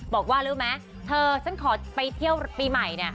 บอกว่ารู้ไหมเธอฉันขอไปเที่ยวปีใหม่เนี่ย